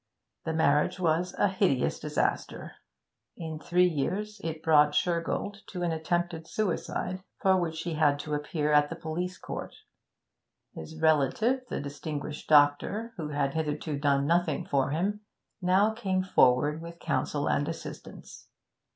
The marriage was a hideous disaster; in three years it brought Shergold to an attempted suicide, for which he had to appear at the police court. His relative, the distinguished doctor, who had hitherto done nothing for him, now came forward with counsel and assistance.